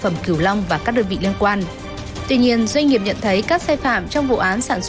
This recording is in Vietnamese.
phẩm cửu long và các đơn vị liên quan tuy nhiên doanh nghiệp nhận thấy các sai phạm trong vụ án sản xuất